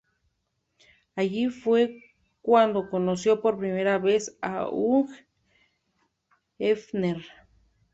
Allí fue cuando conoció por primera vez a Hugh Hefner.